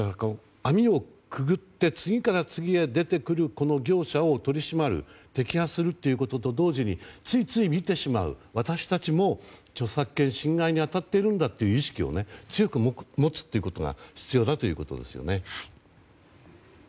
網をくぐって次から次へ出てくる業者を取り締まる摘発するということと同時についつい見てしまう私たちも著作権侵害に当たっているんだという意識を強く持つということが必要だということですね。